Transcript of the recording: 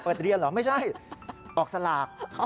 เรียนเหรอไม่ใช่ออกสลาก